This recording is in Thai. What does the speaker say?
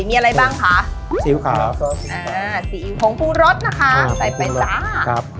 มีอะไรบ้างคะซีอิ๊วขาวอ่าซีอิ๊วของปูรสนะคะอ่าใส่ไปจ้ะครับ